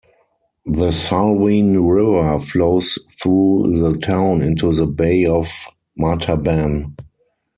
The Salween River flows through the town into the Bay of Martaban.